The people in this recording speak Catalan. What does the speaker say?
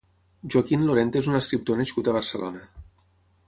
Joaquín Lorente és un escriptor nascut a Barcelona.